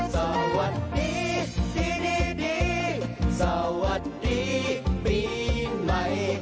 สวัสดีสิ่งดีสวัสดีปีใหม่